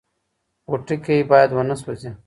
پوټکی باید ونه سوځي.